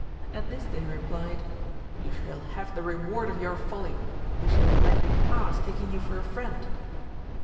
At this they replied. You shall have the reward of your folly ! we should have let you pass, taking you for a friend.